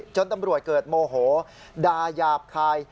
จนตำรวจเกิดโมโหด่ายาบคาย